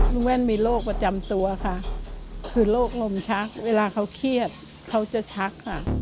แว่นมีโรคประจำตัวค่ะคือโรคลมชักเวลาเขาเครียดเขาจะชักค่ะ